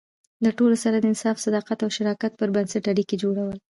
د ټولو سره د انصاف، صداقت او شراکت پر بنسټ اړیکې جوړول.